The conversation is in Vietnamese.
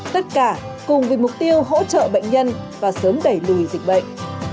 tất cả cùng với mục tiêu hỗ trợ bệnh nhân và sớm đẩy lùi dịch bệnh